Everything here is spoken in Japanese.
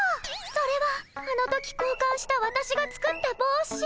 それはあの時こうかんしたわたしが作ったぼうし。